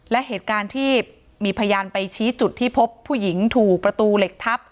และเหตุการณ์ที่มีพยานไปชี้จุดที่พบผู้หญิงถูกประตูเหล็กทับ